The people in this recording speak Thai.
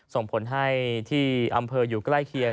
ส่งผลให้ที่อำเภออยู่ใกล้เคียง